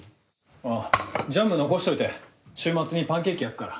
あぁジャム残しといて週末にパンケーキ焼くから。